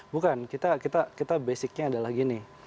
bukan kita basicnya adalah gini